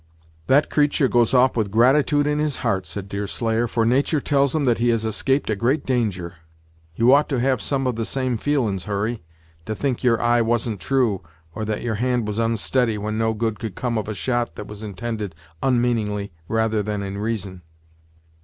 "That creatur' goes off with gratitude in his heart," said Deerslayer, "for natur' tells him he has escaped a great danger. You ought to have some of the same feelin's, Hurry, to think your eye wasn't true, or that your hand was onsteady, when no good could come of a shot that was intended onmeaningly rather than in reason."